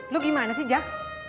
lu gimana sih jah